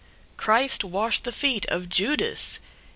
Christ washed the feet of Judas!